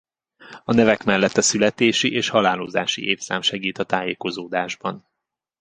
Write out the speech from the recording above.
A nevek mellett a születési és halálozási évszám segít a tájékozódásban.